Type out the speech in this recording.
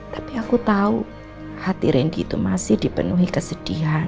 tapi aku tau hati ren dih itu masih dipenuhi kesedihan